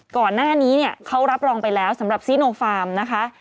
ก่อนหน้านี้เนี่ยเขารับรองไปแล้วสำหรับซีโนฟาร์มนะคะ